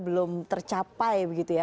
belum tercapai begitu ya